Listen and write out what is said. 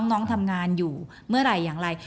น้องทำงานอยู่เมื่อไหร่อย่างไร